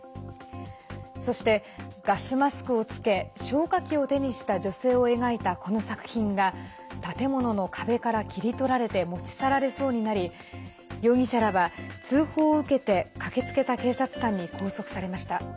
そして、ガスマスクを着け消火器を手にした女性を描いたこの作品が建物の壁から切り取られて持ち去られそうになり容疑者らは通報を受けて駆けつけた警察官に拘束されました。